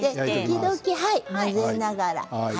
時々混ぜながら。